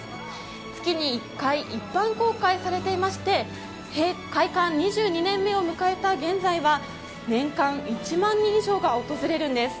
月に１回一般公開されていまして、開館２２年を迎えた現在は、年間１万人以上が訪れるんです。